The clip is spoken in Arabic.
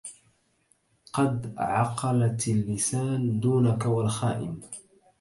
قد عقلت اللسان دونك والخائن